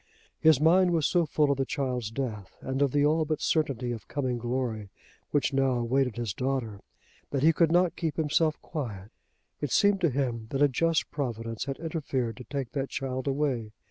His mind was so full of the child's death and of the all but certainty of coming glory which now awaited his daughter, that he could not keep himself quiet. It seemed to him that a just Providence had interfered to take that child away.